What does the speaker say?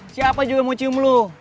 siapa juga mau cium lo